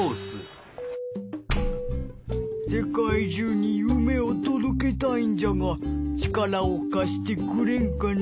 世界中に夢を届けたいんじゃが力を貸してくれんかね？